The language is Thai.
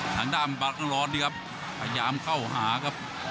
ทางด้านบาทร้อนนี่ครับพยายามเข้าหาครับ